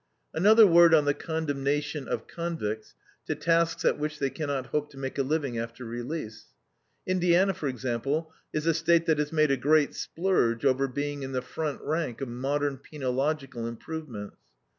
Another word on the condemnation of convicts to tasks at which they cannot hope to make a living after release. Indiana, for example, is a State that has made a great splurge over being in the front rank of modern penological improvements.